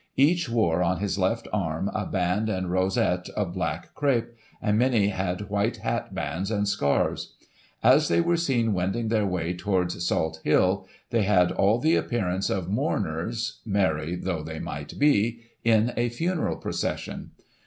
Each wore, on his left arm, a band and rosette of black crape, and many had white hatbands and scarves. As they were seen wending their way towards Salt Hill, they had all the appearance of mourners (merry though they might be) in a funeral procession.